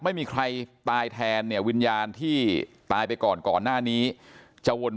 ไม่มีใครตายแทนเนี่ยวิญญาณที่ตายไปก่อนก่อนหน้านี้จะวน